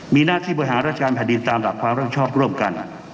มีหน้าที่บริหารราชการแผ่นดินตามหลักความรับผิดชอบร่วมกัน